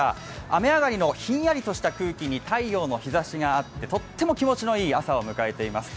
雨上がりのひんやりとした空気に太陽の日ざしがあってとっても気持ちのいい朝を迎えています。